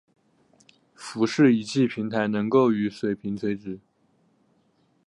浮式仪器平台能够与水面垂直。